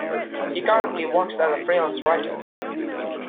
He currently works as a freelance writer.